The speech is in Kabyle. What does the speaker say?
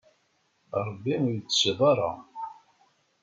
Ṛebbi ur yettecceḍ ara.